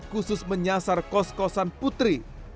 khusus menyasar kos kosan putri